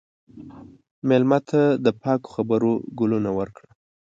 مېلمه ته د پاکو خبرو ګلونه ورکړه.